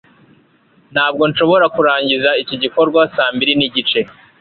Ntabwo nshobora kurangiza iki gikorwa saa mbiri nigice